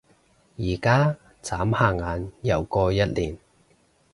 而家？眨下眼又過一年